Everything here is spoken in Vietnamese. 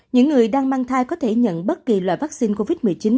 những người đang mang thai có thể nhận bất kỳ loại vaccine covid một mươi chín